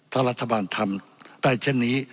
ถ้ารัฐบาลทำได้เช่นนี้